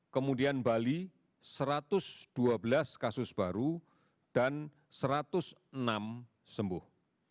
kemudian bali satu ratus dua belas kasus baru dan satu ratus enam sembuh